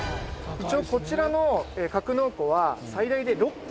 一応こちらの格納庫は最大で６機。